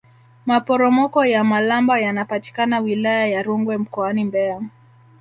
maporomoko ya malamba yanapatikana wilaya ya rungwe mkoani mbeya